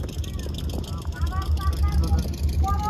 মেয়েরা যা বলে ও তাই করে।